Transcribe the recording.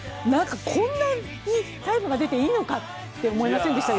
こんなにタイムが出ていいのかって思いませんでした？